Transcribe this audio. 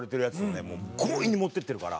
強引に持っていってるから。